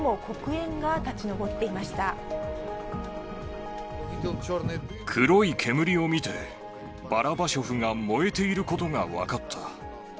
黒い煙を見て、バラバショフが燃えていることが分かった。